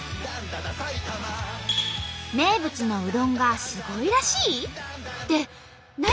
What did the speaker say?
名物のうどんがすごいらしい？って何？